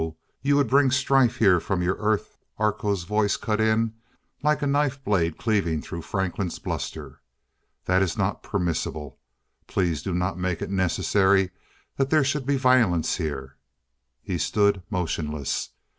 You would bring strife here from your Earth?" Arkoh's voice cut in, like a knife blade cleaving through Franklin's bluster. "That is not permissible. Please do not make it necessary that there should be violence here." He stood motionless.